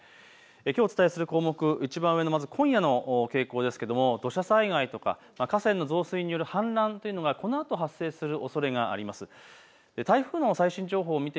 きょうお伝えする項目、いちばん上、今夜の傾向ですけれども土砂災害、河川の増水、氾濫、このあと発生するおそれがあります。